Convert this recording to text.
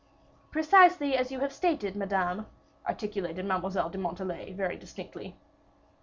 "Precisely as you have stated, Madame," articulated Mademoiselle de Montalais, very distinctly.